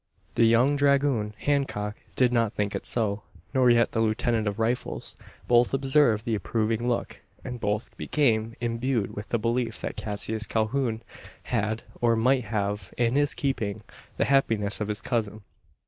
The young dragoon, Hancock, did not think it so; nor yet the lieutenant of rifles. Both observed the approving look, and both became imbued with the belief that Cassius Calhoun had or might have in his keeping, the happiness of his cousin.